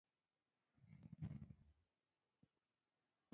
هغه جنګسالاران چې په قدرت کې له محرومیت سره لاس او ګرېوان شي.